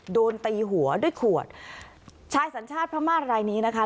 โดนตีหัวด้วยขวดชายสัญชาติพม่ารายนี้นะคะ